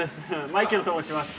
マイケルと申します。